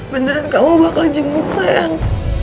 beneran kamu bakal jenguk sayang